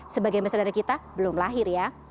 sebagai mesra dari kita belum lahir ya